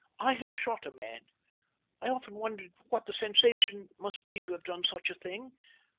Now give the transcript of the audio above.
"I have shot a man. I often wondered what the sensation must be to have done such a thing.